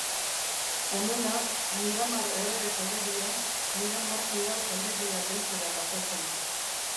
Honela, Miramar Errege Jauregia, Miramar Udal Jauregia deitzera pasa zen.